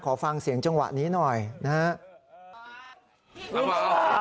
ฟังเสียงจังหวะนี้หน่อยนะครับ